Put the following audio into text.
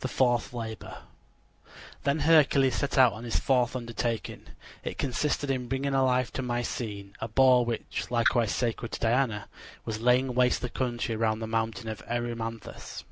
THE FOURTH LABOR Then Hercules set out on his fourth undertaking. It consisted in bringing alive to Mycene a boar which, likewise sacred to Diana, was laying waste the country around the mountain of Erymanthus.